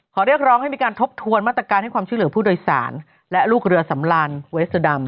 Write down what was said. เรียกร้องให้มีการทบทวนมาตรการให้ความช่วยเหลือผู้โดยสารและลูกเรือสำรานเวสเตอร์ดัม